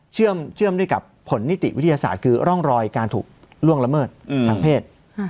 เชื่อมด้วยกับผลนิติวิทยาศาสตร์คือร่องรอยการถูกล่วงละเมิดทางเพศ